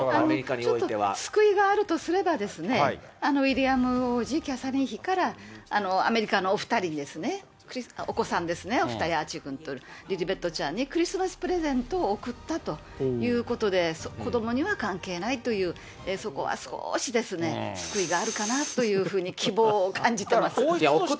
ちょっと救いがあるとすればですね、ウィリアム王子、キャサリン妃から、アメリカのお２人に、お子さんですね、お２人、アーチーくんとリリベットちゃんにクリスマスプレゼントを贈ったということで、子どもには関係ないという、そこは少しですね、救いがあるかなというふうに、希望を感じています。